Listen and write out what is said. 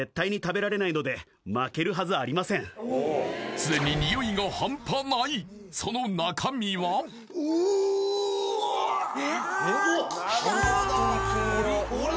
すでにニオイが半端ないその中身はうわ！